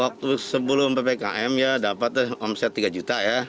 waktu sebelum ppkm ya dapat omset tiga juta ya